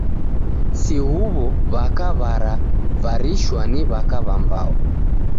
Si huw'o w'aka w'aravarishwa ni w'aka w'ambao.